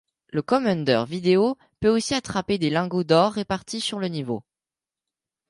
Le Commander Video peut aussi attraper des lingots d'or, répartis sur le niveau.